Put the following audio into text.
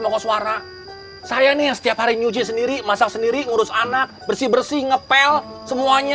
koswara saya nih setiap hari nyuji sendiri masak sendiri urus anak bersih bersih ngepel semuanya